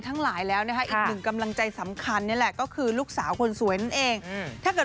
ทั้งหลายแล้วนะคะอีกหนึ่งกำลังใจสำคัญนี่แหละก็คือลูกสาวคนสวยนั่นเองถ้าเกิด